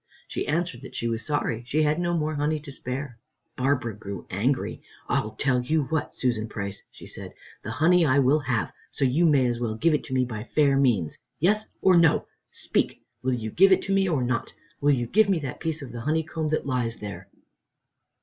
She answered that she was sorry she had no more honey to spare. Barbara grew angry. "I'll tell you what, Susan Price," she said, "the honey I will have, so you may as well give it to me by fair means. Yes or no? Speak! Will you give it to me or not? Will you give me that piece of the honeycomb that lies there?"